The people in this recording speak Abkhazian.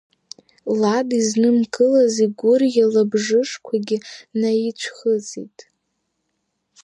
Лад изнымкылаз игәырӷьа лабжышқәагьы наицәхыҵит.